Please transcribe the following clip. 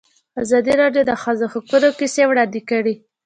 ازادي راډیو د د ښځو حقونه کیسې وړاندې کړي.